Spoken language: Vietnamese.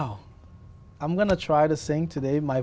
là mơ mộ của tôi